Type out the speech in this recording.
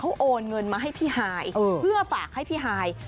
โอนเงินมาให้พี่ฮายเพื่อฝากให้พี่ฮาย